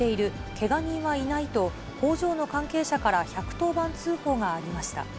けが人はいないと、工場の関係者から１１０番通報がありました。